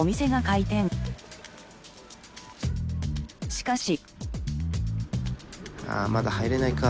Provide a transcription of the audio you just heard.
しかし。